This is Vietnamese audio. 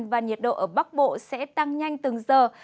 và nhiệt độ ở bắc bộ sẽ tăng nhanh từng giờ